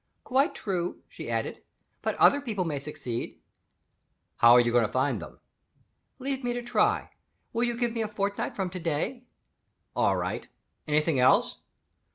"Quite true," she added, "but other people may succeed." "How are you to find them?" "Leave me to try. Will you give me a fortnight from to day?" "All right. Anything else?"